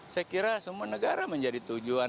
saya kira semua negara menjadi tujuan